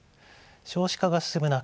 少子化が進む中